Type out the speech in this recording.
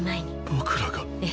僕らが？